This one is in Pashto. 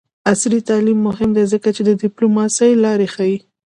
عصري تعلیم مهم دی ځکه چې د ډیپلوماسۍ لارې ښيي.